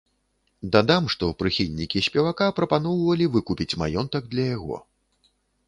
Дадам, што прыхільнікі спевака прапаноўвалі выкупіць маёнтак для яго.